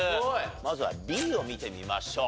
まずはＢを見てみましょう。